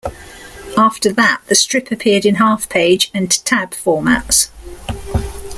After that, the strip appeared in half page and tab formats.